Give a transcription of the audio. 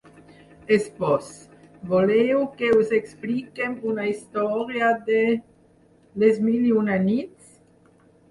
Esbós: Voleu que us expliquem una història de ‘Les mil i una nits’?